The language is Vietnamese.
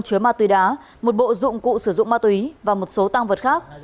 chứa ma túy đá một bộ dụng cụ sử dụng ma túy và một số tăng vật khác